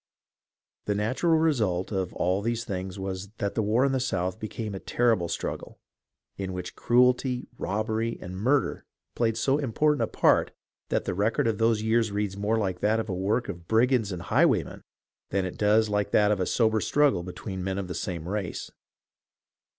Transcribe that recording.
The natural result of all these things was that the war in the South became a terrible struggle, in which cruelty, robbery, and murder played so important a part that the record of those years reads more like that of the work of brigands and highwaymen than it does like that of a sober struggle between men of the same race.